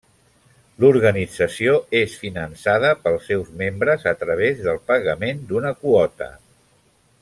L'organització és finançada pels seus membres a través del pagament d'una quota.